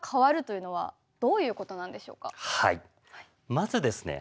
まずですね